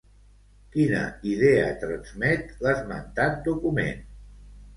Quina idea transmet l'esmentat document?